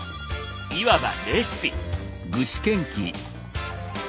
いわばレシピ。